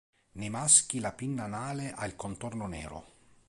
Nei maschi la pinna anale ha il contorno nero.